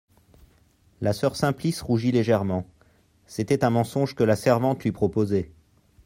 La soeur Simplice rougit légèrement ; c'était un mensonge que la servante lui proposait.